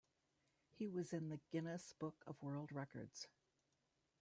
He was in the Guinness book of World Records.